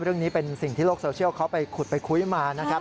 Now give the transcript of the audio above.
เรื่องนี้เป็นสิ่งที่โลกโซเชียลเขาไปขุดไปคุยมานะครับ